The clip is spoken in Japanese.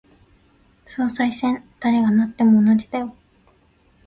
総裁選、誰がなっても同じだよ。